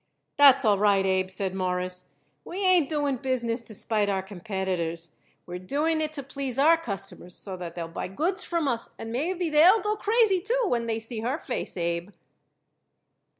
"That's all right, Abe," said Morris. "We ain't doing business to spite our competitors; we're doing it to please our customers so that they'll buy goods from us and maybe they'll go crazy, too, when they see her face, Abe."